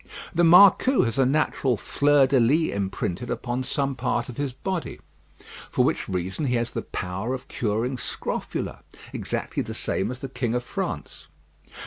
The marcou has a natural fleur de lys imprinted upon some part of his body; for which reason he has the power of curing scrofula, exactly the same as the King of France.